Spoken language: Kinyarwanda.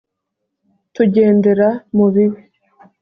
tugendera mu bibi